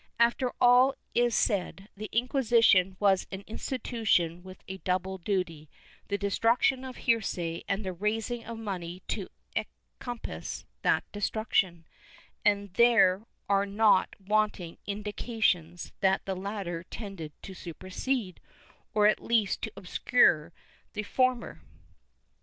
After all is said, the Inquisition was an institution with a double duty— the destruction of heresy and the raising of money to encom pass that destruction— and there are not wanting indications that the latter tended to supersede, or at least to obscure, the foriner.